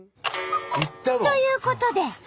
ということで。